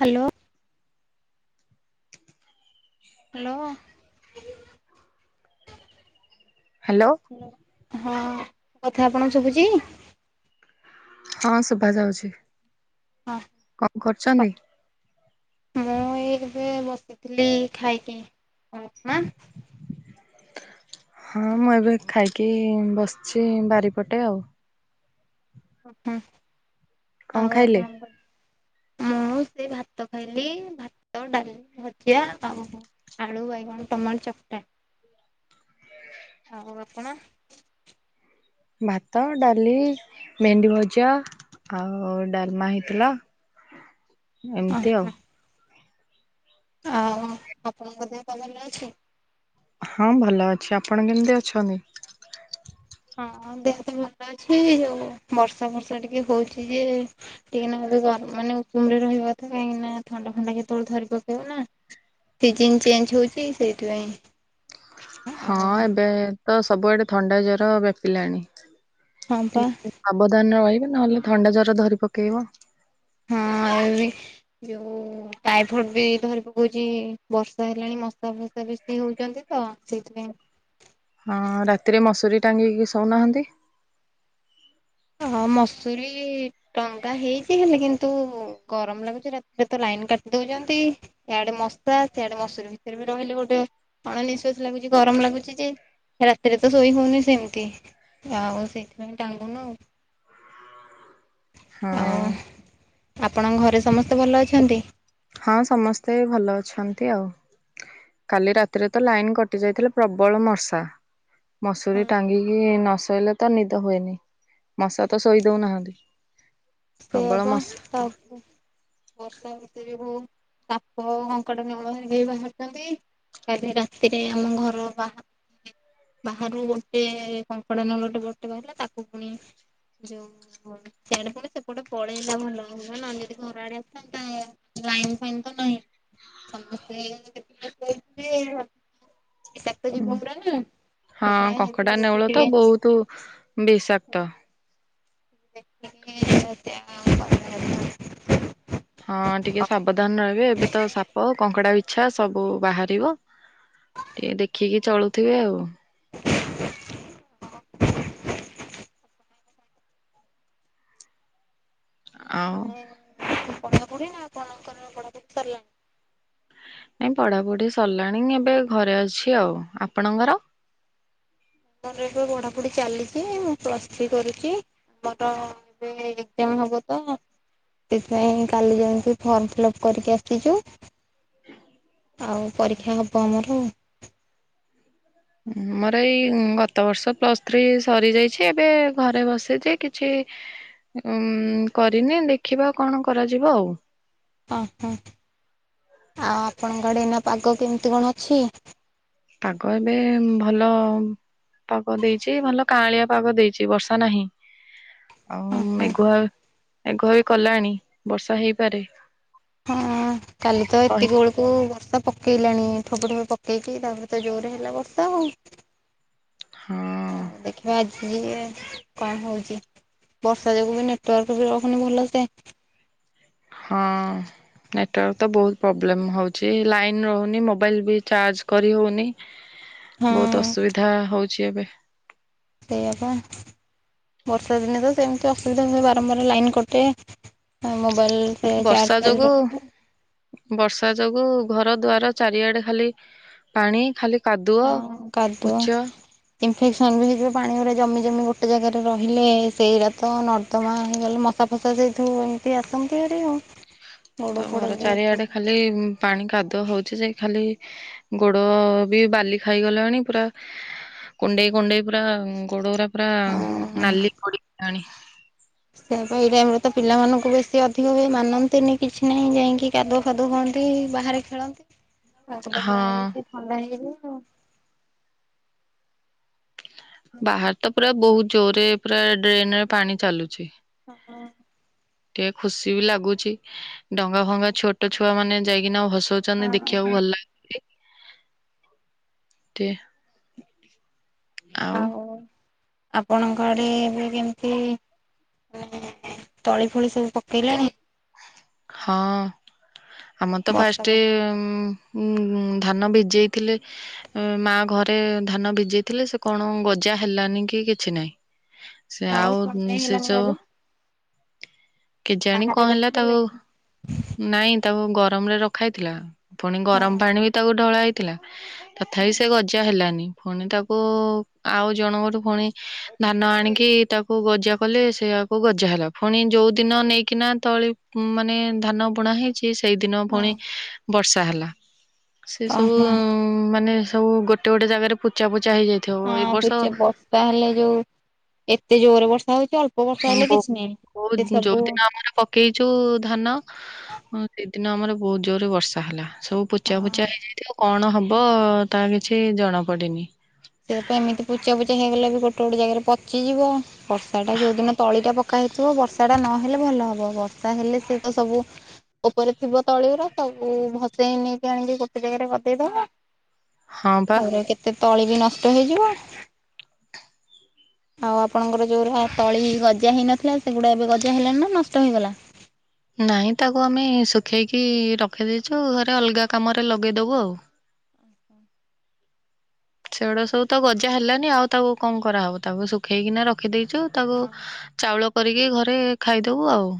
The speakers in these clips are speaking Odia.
ହ୍ୟାଲୋ। ହ୍ୟାଲୋ। ହ୍ୟାଲୋ। ହଁ କଥା ଆପଣଙ୍କୁ ଶୁବୁଚି। ହଁ ଶୁଭା ଯାଉଛି। ହଁ କଣ ହ। କରୁଛନ୍ତି? ମୁଁ ଏଇ ଏବେ ବସିଥିଲି ଖାଇକି ମା---' ହଁ ମୁଁ ଏବେ ଖାଇକି ବସିଚି ବାରିପଟେ ଆଉ। ଉଁ ହୁଁ। କଣ ଆଉ ଖାଇଲେ। ଆପଣଙ୍କ ମୁଁ ସେ ଭାତ ଖାଇଲି ଭାତ ଡାଲି ଭଜିଆ ଆଉ ଆଳୁ ବାଇଗଣ ଟମାଟ ଚକଟା ଆଉ ଆପଣ। ଭାତ ଡାଲି ମେଣ୍ଡି ଭଜା ଆଉ ଡାଲମା ହେଇଥିଲା। ଏମତି ଓହୋ ଆଉ। ଆଉ ଆପଣଙ୍କ ଦେହ ପା ଭଲ ଅଛି। ହଁ ଭଲ ଅଛି ଆପଣ କେମତି ଅଛନ୍ତି। ହଁ ଦେହ ତ ଭଲ ଅଛି ଯୋଉ ବର୍ଷା ଫର୍ଷା ଟିକେ ହଉଚି ଯେ ଟିକେ ନାକୁରୁ ଗ ମାନେ ଉକୁୁମ ରେ ରହିବା କଥା କାହିଁକି ନା ଥଣ୍ଡା ଫଣ୍ଡା କେତେବେଳେ ଧରି ପକେଇବ ନା। ସିଜିନ ଚେଞ୍ଚେ ହୋଉଚି ସେଇଥିପାଇଁ। ହଁ ଆଉ ଏବେ ତ ସବୁଆଡେ ଥଣ୍ଡା ଜର ବ୍ୟାପିଲାଣି। ହଁ ପାଁ। ଟିକେ ସାବଧାନ ରହିବେ ନହେଲେ ଥଣ୍ଡା ଜର ଧରି ପକେଇବ। ହଁ ଏ ବି ଯୋଉ ଟାଇଫଏଡ ବି ଧରି ପକୋଉଚି ବର୍ଷା ହେଲାଣି ମଶା ଫସା [unintelligible] ବେସି ହୋଉଚନ୍ତି ତ ସେଇଥିପାଇଁ। ହଁ ରାତିରେ ମସୁରୀ ଟାଙ୍ଗିକି ଶଉନାହାନ୍ତି। ହଁ ମସୁରୀ ଟଙ୍ଗା ହେଇଚି ହେଲେ କିନ୍ତୁ? ଗରମ ଲାଗୁଚି ରାତିରେ ତ ଲାଇନ କାଟି ଦଉଚନ୍ତି। ଇଆଡେ ମଶା ସିଆଡେ ମସୁରୀ ଭିତରେ ବି ରହିଲେ ଗୋଟେ ଅଣ ନିଃଶ୍ଵାସି ଲାଗୁଚି ଗରମ ଲାଗୁଚି ଯେ ରାତିରେ ତ ଶୋଇ ହଉନି ସେମତି ଆଉ ସେଇଥିପାଇଁ ଟାଙ୍ଗୁନୁ ଆଉ। ହଁ। ଆଉ ଆପଣଙ୍କ ଘରେ ସମସ୍ତେ ଭଲ ଅଛନ୍ତି? ହଁ ସମସ୍ତେ ଭଲ ଅଛନ୍ତି ଆଉ। କାଲି ରାତିରେ ତ ଲାଇନ କଟି ଯାଇଥିଲା ପ୍ରବଳ ମସା। ମସୁରୀ ଅଛନ୍ତି? ଟାଙ୍ଗିକି ନସୋଇଲେ ତ ନିଦ ହୁଏନି ମଶା ତ ଶୋଇ ଦଉନାହାନ୍ତି। ସେଇଆ ପ୍ରବଳ ପା ମଶା [unintelligible] ବର୍ଷା [unintelligible] ସାପ କଙ୍କଡା ନେଉଳ ହେରିକା ବି ବାହାରୁଚନ୍ତି। କାଲି ରାତିରେ ଆମ ଘର ବା ବାହାରୁ ଗୋଟେ କଙ୍କଡା ନେଉଡ଼ ରେ ବଡ଼ଟେ ବାହାରିଲା। ତାକୁ ପୁଣି ଯୋଉ ହଁ ସିଆଡେ ପୁଣି ସେ ଗୋଟେ ପଳେଇଲା ଭଲ ନନେ ଯଦି ଘର ଆଡେ ଆସିଥାନ୍ତା ଲଇନ ଫାଇନ ତ ନହିଁ। ସମସ୍ତେ [unintelligible] ବିଷାକ୍ତ ଜୀବ ଗୁରା ନା ହଁ ହଁ ସେଥିପାଇଁ କଙ୍କଡା ହେଥିରୁ ଏତେ ନେଉଳ ଟିକେ ତ ବହୁତ ବିଷାକ୍ତ। ଦେଖିକି ଜା ହୋଉ ଭଲ ହେଲା। ହଁ ଟିକେ ସାବଧାନ ରହିବେ, ଏବେ ତ ସାପ କଙ୍କଡା ବିଛା ସବୁ ବାହାରିବ। ଟିକେ ଦେଖିକି ଚଳୁଥିବେ ଆଉ। [inaudible] ଆଉ ମାନେ [unintelligible] ପଢାପଢି ନା ଆପଣଙ୍କର ପଢାପଢି ସରିଲାଣି? ନାଇଁ ପଢାପଢ଼ି ସରିଲାଣି ଏବେ ଘରେ ଅଛି ଆଉ। ଆପଣଙ୍କର? ମୋର ଏବେ ପଢାପଢି ଚାଲିଚି। ମୁଁ ପ୍ଲସ୍ ଥ୍ରୀ କରୁ ଚି। ଆମର ଏବେ ଏଜାମ ହବ ତ ସେଥିପାଇଁ କାଲି ଯାଇକି ଫର୍ମ ଫିଲ୍ଅପ୍ କରିକି ଆସିଚୁ। ଆଉ ପରୀକ୍ଷା ହେବ ଆମର ଉ। ମୋର ଏଇ ଗତ ବର୍ଷ ପ୍ଲସ୍ ଥ୍ରୀ ସରିଯାଇଚି ଏବେ ଘରେ ବସିଚି କିଛି ଉ କରିନି ଦେଖିବାଉ କଣ କରାଯିବ ଆଉ। ଓହୋ ଆଉ ଆପଣଙ୍କ ଆଡେ ଏଇନା ପାଗ କେମିତି କଣ ଅଛି? ପାଗ ଏବେ ଭଲ ପାଗ ଦେଇଚି। ଭଲ କାଁଳିଆ ପାଗ ଦେଇଚି ବର୍ଷା ନାହିଁ। ଅ ଆଉ ହଁ ମେଘୁଆ ମେଘୁଆ ବି କଲାଣି ବର୍ଷା ହେଇପାରେ। ହଁ କାଲି ତ ଏତିକି କହି ବେଳୁ କୁ ବର୍ଷା ପକେଇଲାଣି ଠୋପ ଠୋପ ପକେଇକି ତାପରେ ତ ଜୋରରେ ହେଲା ବର୍ଷା ଆଉ। ହଁ ଆଉ ଦେଖିବା ଆଜି ଯ କଣ ହଉଛି ବର୍ଷା ଯୋଗୁ ବି ନେଟୱାର୍କ ବି ରଖୁନି ଭଲ ସେ। ହଁ। ନେଟୱାର୍କ ତ ବହୁତ ପ୍ରୋବ୍ଲେମ ହଉଚି। ଲାଇନ ରହୁନି ମୋବାଇଲ ବି ଚାର୍ଜ କରି ହଉନି। ହଁ ବହୁତ ଅସୁବିଧା ହଉଚି ଏବେ। ସେଇଆ ପା। ବର୍ଷା ଦିନେ ତ ସେମିତି ଅସୁବିଧା ହୁଏ ବାରମ୍ବାର ଲାଇନ୍ କଟେ, ମୋବାଇଲ୍ ରେ ବର୍ଷା ଚାର୍ଜ ଫର୍ଜ ଯୋଗୁ ରହେନି। ବର୍ଷା ଯୋଗୁ ଘର ଦୁଆର ଚାରିଆଡେ ଖାଲି ପାଣି, ଖାଲି କାଦୁଅ ପୁଚ। ଇନଫେକ୍ସନ୍ ବି ହେଇଯିବ ପାଣି ଉରା ଜମି ଜମି ଗୋଟେ ଜାଗାରେ ରହିଲେ। ସେଇରା ତ ନର୍ଦ୍ଦମା ହେଇଗଲେ ମଶା ମାଶା ସେଠୁ ଏମିତି ଆସନ୍ତି ହାରି ଆଉ। ଗୋଡ଼ ତ ଫୋଡ଼ ଘର ବି ଚାରିଆଡେ ହଁ ଖାଲି ପାଣି କାଦୁଅ ହଉଛି ଯେ ଖାଲି ଗୋଡ ବି ବାଲି ଖାଇଗଲାଣି ପୁରା କୁଣ୍ଡେଇ କୁଣ୍ଡେଇ ପୁରା ଗୋଡ ଗୁରା ପୁରା ନାଲି ପଡିଗଲାଣି। ସେଇଆ ପା। ଏଇ ଟାଇମରେ ତ ପିଲାମାନଙ୍କୁ ବେଶୀ ଅଧିକ ହୁଏ ମାନନ୍ତିନି କିଛି ନାହିଁ ଯାଇକି କାଦୁଅ ଫାଦୁଅ ହୁଅନ୍ତି ବାହାରେ ଖେଳନ୍ତି। ତାଙ୍କୁ ତ ପୁରା ହଁ। [inaudible] ବାହାର୍ ତ ପୁରା ବହୁତ୍ ଜୋର୍ ରେ ପୁରା ଡ୍ରେନ୍‌ ରେ ପାଣି ଚାଲୁଚି। ହଁ ଟିକେ ଖୁସି ବି ଲାଗୁଚି, ଡଙ୍ଗା ଫଙ୍ଗା ଛୋଟ ଛୁଆ ମାନେ ଯାଇକିନା ଭସଉ [inaudible] ହଁ ହଁ ହଉ ଆପଣଙ୍କ ଆଡ଼େ ଏବେ କେମ୍ତି, ତଳି ଫଳି ସବୁ ପକେଇଲେଣି? ହଁ, ଆମର୍ ତ ବର୍ଷା ଫାଷ୍ଟେ ବର୍ଷା ଧାନ ଭିଜେଇ ଥିଲେ। ମା ଘରେ ଧାନ ଭିଜେଇ ଥିଲେ, ସେ କ'ଣ ଗଜା ହେଲାନି କି କିଛି ନାହିଁ। ସେ ଆଉ ସେ ସବୁ [inaudible] କେଜାଣି ବାହାରେ କ'ଣ ହେଲା ତା ରଖିଦେଲେ କି? ନାଇଁ ତାକୁ ଗରମ୍ ରେ ରଖା ହେଇଥିଲା, ଫୁଣି ଗରମ୍ ହଁ ପାଣି ବି ତାକୁ ଢ଼ଳା ହେଇଥିଲା। ତଥାବି ସେ ଗଜା ହେଲାନି, ଫୁଣି ତାକୁ ଆଉ ଜଣଙ୍କ ଠୁ ଫୁଣି ଧାନ ଆଣିକି ତାକୁ ଗଜା କଲେ ସେଆକୁ ଗଜା ହେଲା। ପୁଣି ଯଉ ଦିନ ନେଇକିନା ତଳି ଧାନ ବୁଣା ହେଇଚି, ସେଇଦିନ ଫୁଣି ବର୍ଷା ହେଲା। ସେ ସବୁ ଓହୋ ମାନେ ସବୁ ଗୋଟେ ଗୋଟେ ଜାଗାରେ ପୁଚା ପୁଚା ହେଇଯାଇ ହଁ, ପୁଚେ ବ ହେଲେ ଯଉ ଏତେ ଜୋରେ ବର୍ଷା ହଉଚି। ଯଉ ଦିନ ଆମର ପକେଇଚୁ ଧାନ। ସେଇଦିନ ଆମର ବହୁତ୍ ଜୋରେ ବର୍ଷା ହେଲା, ସବୁ ପୁଚା ହଁ ପୁଚା ହେଇଯାଇଥିବ। କ'ଣ ହବ? ତା କିଛି ଜଣା ପଡ଼ିନି। ଏମିତି ପୁଚା ପୁଚା ହେଇଗଲେ ବି ଗୋଟେ ଗୋଟେ ଜାଗାରେ ପଚିଯିବ। ବର୍ଷା ଟା ଯଉ ଦିନ ତଳି ଟା ପକା ହେଇଥିବ, ବର୍ଷା ଟା ନହେଲେ ଭଲ ହବ। ବର୍ଷା ହେଲେ ସେ ତ ସବୁ ଓପରେ ଥିବ ତଳି---ସବୁ ଭସେଇ ନେଇକି ଆଣିକି ଗୋଟେ ଜାଗାରେ ଗଦେଇ ଦବ। ହଁ ପା ତା'ପରେ କେତେ ତଳି ବି ନଷ୍ଟ ହେଇଯିବ। ଆଉ ଆପଣଙ୍କର ଯଉ ତଳି ଗଜା ହେଇନଥିଲା, ସେଗୁଡ଼ା ଏବେ ଗଜା ହେଲାଣି ନା ନଷ୍ଟ ହେଇଗଲା? ନାହଁ ତାକୁ ଆମେ ଶୁଖେଇକି ରଖି ଦେଇଛୁ, ଅଲ୍‌ଗା କାମରେ ଲଗେଇ ଦବୁ ଆଉ। [inaudible] ସେ-ଗୁଡ଼ା ସବୁ ତ ଗଜା ହେଲାନି ଆଉ ତାକୁ କ'ଣ କରା ହବ, ତାକୁ ଶୁଖେଇକିନା ରଖି ଦେଇଚୁ। ତାକୁ ହଁ। ଚାଉଳ କରିକି ଘରେ ଖାଇଦବୁ ଆଉ।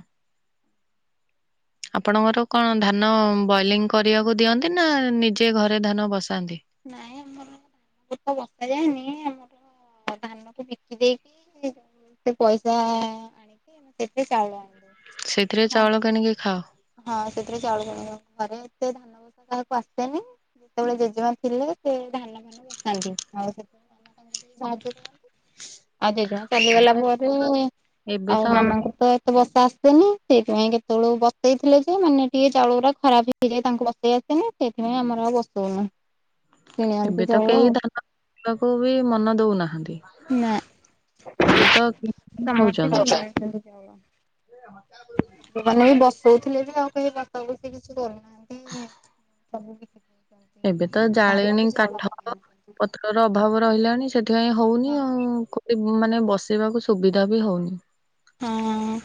ଆପଣଙ୍କର କ'ଣ ଧାନ ବଏଲିଂ କରିବାକୁ ଦିଅନ୍ତି ନା ନିଜେ ଘରେ ଧାନ ବସାନ୍ତି? [inaudible] [unintelligible] [inaudible] ସେଇ ଥିରେ ହଁ ଚାଉଳ କିଣିକି ଖାଅ। [unintelligible] [unintelligible] ହଁ ଏ- [unintelligible] ଏବେ ତ ଆଉ [inaudible] [inaudible] [inaudible] ଏବେ ତ ଚାଉଳ ଆଉ। କେହି ଧାନ ମନ ଦଉ ନାହାନ୍ତି। କିଣିକି ଖାଉଛନ୍ତି [inaudible] [inaudible] ସବୁ ବି ଏବେ ତ ଜାଳେଣୀ କାଠ ଆଣୁଛନ୍ତି। ଅଭାବ ରହିଲାଣି। ପାଇଁ ହଉନି ହଁ ଆଉ, ମାନେ ବସେଇ ବାକୁ ସୁବିଧା ବି ହଉନି। ହଁ!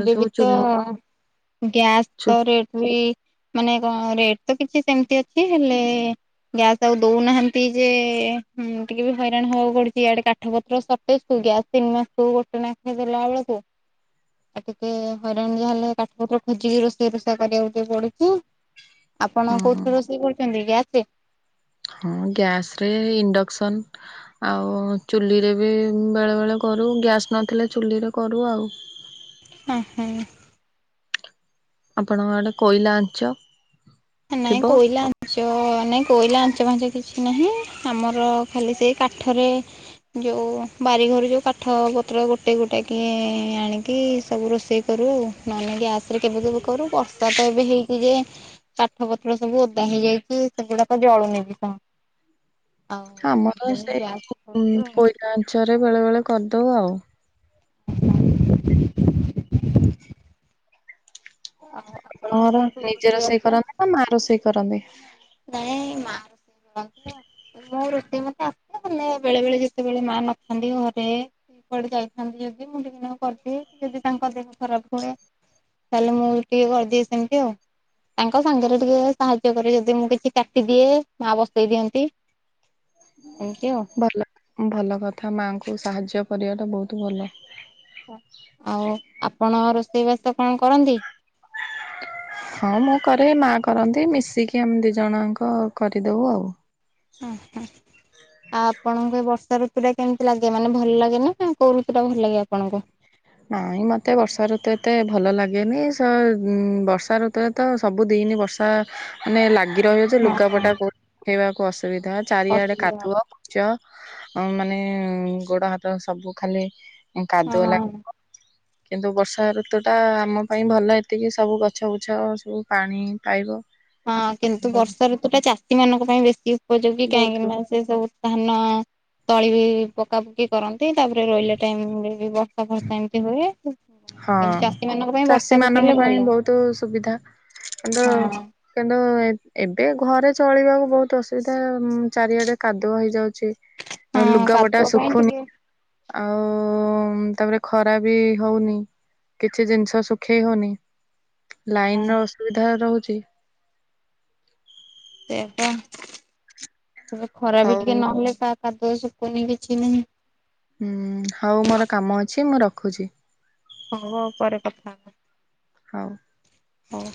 ଏ ସବୁ ବି ତ ଚୁଲି ଚୁ ଗ୍ୟାସ୍‌ର ରେଟ୍ ବି ମାନେ ରେଟ୍ ତ କିଛି ସେମ୍ତି ଅଛି। ହେଲେ ଗ୍ୟାସ୍‌ ଆଉ ଦଉନାହାନ୍ତି ଯେ, ଟିକେ ବି ହଇରାଣ୍ ହବାକୁ ପଡୁଚି। ଇଆଡ଼େ କାଠ ପତ୍ର ତିନି ମାସକୁ ଗୋଟେ ନା ହେଇ ଦେଲା ବେଳକୁ ଆଉ ଟିକେ ହଇରାଣ ଯାହା ହେଲେ କାଠ ପା ଖୋଜିକି ରୋଷେଇ ରୋଷେଇ କରିବାକୁ ଟିକେ ପଡୁଛିୁ। ହୁଁ ଆପଣ କୋଉଥିରେ ରୋଷେଇ କରୁଛନ୍ତି ଗ୍ୟାସରେ? ହଁ ଗ୍ୟାସ୍ରେ ଇଣ୍ଡକ୍ସନ୍। ଆଉ ଚୁଲିରେ ବି ବେଳେ ବେଳେ କରୁ ଗ୍ୟାସ୍ ନଥିଲେ ଚୁଲିରେ କରୁ ଆଉ। ହ ହଁ। ଆପଣଙ୍କ ଆଡ଼େ କୋଇଲା ଆଞ୍ଚ। ହେ ନାଇଁ ଥିବ କୋଇଲା। ପାଞ୍ଚ ନାଇଁ କୋଇଲା ଆଞ୍ଚ ଫାଞ୍ଚ କିଛି ନାହିଁ ଆମର ଖାଲି ସେଇ କାଠରେ ଯୋଉ ବାରିଘରୁ ଯୋଉ କାଠ ପତ୍ର ଗୋଟେ ଗୋଟେ କିଏ ଆଣିକି ସବୁ ରୋଷେଇ କରୁ ନହେ ଗ୍ୟାସ ରେ କେବେ ସବୁ କରୁ ବର୍ଷା ତ ଏବେ ହେଇଛିି ଯେ ପଠ ପତ୍ର ସବୁ ଓଦା ହେଇଯାଇକି ସେଗୁଡାକ ଜଳୁନି ବି। ଆଉ ଆମର ସେଥିପାଇଁ ସେ ଗ୍ୟାସ କରୁଛୁ କୋଇଲାଞ୍ଚରେ ବେଳେ ବେଳେ କରିଦଉଆଉ। [inaudible] ଆଉ ଆପଣଙ୍କୁ ଆପଣଙ୍କର କଣ ସବୁ ନିଜେ ରୋଷେଇ ଆସେ? କରନ୍ତି ନା ମା ରୋଷେଇ କରନ୍ତି। ନାଇଁ ମା ରୋଷେଇ କରନ୍ତି ଆ ମୋ ରୋଷେଇ ମତେ ଆସିିବ। ବେଳେ ବେଳେ ଯେତେବେଳେ ମା ନଥାନ୍ତି ଘରେ ଆଡେ ଯାଇଥାନ୍ତି ଯଦି ମୁଁ ଦ କରିଦିଏ ଯଦି ତାଙ୍କ ଦେହ ଖରାପ ହୁଏ। ତାହେଲେ ମୁଁ ଟିକେ କରିଦିଏ ସେମିତି ଆଉ ତାଙ୍କ ସାଙ୍ଗରେ ଟିକେ ସାହାଯ୍ୟ କରିରେ ଯଦି ମୁଁ କିଛି କାଟିଦିଏ ମା ବସେଇ ଦିଅନ୍ତି। ଏମିତି ଆଉ। ଭଲ ଭଲ କଥା ମାଙ୍କୁ ସାହାଯ୍ୟ କରିବା ଟା ବହୁତ ଭଲ। ଆଉ ଆପଣ ରୋଷେଇବାସ କଣ କରନ୍ତି? ହଁ ମୁଁ କରେ ମା କରନ୍ତି ମିଶିକି ଆମେ ଦି ଜଣଙ୍କ କରିଦବ ଆଉ। ହଁ ହଁ। ଆଉ ଆପଣଙ୍କୁ ଏଇ ବର୍ଷା ଋତୁ ଟା କେମିତି ଲାଗେ ମାନେ ଭଲ ଲାଗେ ନା ନା କୋଉ ଋତୁ ଟା ଭଲ ଲାଗେ ଆପଣଙ୍କୁ? ନାଇଁ ମତେ ବର୍ଷା ଋତୁ ଏତେ ଭଲ ଲାଗେନି ସ ଉ ବର୍ଷା ଋତ ତ ସବୁ ଦିନ ବର୍ଷା ମାନେ ଲାଗି ରହିବ। ହଁ। ଲୁଗାପଟା ସୁଖେଇବାକୁ ଅସୁବିଧା ଚାରିଆଡେ ଅସୁବିଧା କାଦୁଅ ଚ ମାନେ ଗୋଡ ହାତ ସବୁ ଖାଲି କାଦୁଅଲା। ହଁ। କିନ୍ତୁ ବର୍ଷା ଋତୁଟା ଆମ ପାଇଁ ଭଲ ଏତିକି ସବୁ ଗଛବୁଛ ସବୁ ପାଣି ପାଇବ। ହଁ କିନ୍ତୁ ବର୍ଷା ଋତୁ ଟା ଚାଷୀ ମାନଙ୍କ ପାଇଁ ବେଶୀ ଉପଯୋଗୀ ବହୁତ କାହିଁକି ନା। ସେ ସବୁ ଧାନ ତଳି ବି ପକାପକି କରନ୍ତି ତାପରେ ରହିଲା ଟାଇମରେ ବି ସ ଫର୍ଷା ଏମିତି ହୁଏ। ହଁ କିନ୍ତୁ ଚାଷୀ ମାନଙ୍କ ପାଇଁ ଚାଷୀ ବର୍ଷା ମାନଙ୍କ ପକେଇଲେ ପାଇଁ ଭଲ ବହୁତ ସୁବିଧା କିନ୍ତୁ ହଁ କିନ୍ତୁ ଏବେ ଘରେ ଚଳିବାକୁ ବହୁତ ଅସୁବିଧା ଚାରିଆଡେ କାଦୁଅ ହେଇଯାଉଛି। ହ। [inaudible] ଲୁଗାପଟା ଶୁଖୁନି ଆଉ ତାପରେ ଖରା ବି ହଉନି। କିଛି ଜିନିଷ ଶୁଖେଇ ହଉନି ଲାଇନ ହଁ ର ଅସୁବିଧା ରହୁଛି। ସେ ତ ଏବେ ଖରା ବି ହଉ ଟିକେ ନହେଲେ କା କାଦୁଅ ଶୁଖୁନି କିଛି ନାହିଁ। ହୁଁ ହଉ ମୋର କାମ ଅଛି ମୁଁ ରଖୁଛି। ହଁ ହଉ ପରେ କଥା ହେବା। ହଉ। ହଁ।